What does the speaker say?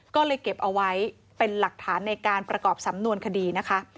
ก็เลยเก็บเอาไว้เป็นหลักฐานในการประกอบสำนวนคดีนะคะ